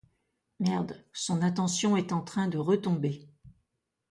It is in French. Merde, son attention est en train de retomber.